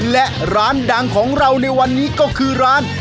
และร้านดังของเราในวันนี้ก็คือร้าน